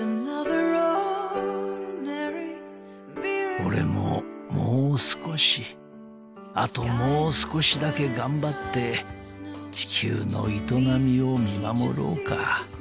［俺ももう少しあともう少しだけ頑張って地球の営みを見守ろうか］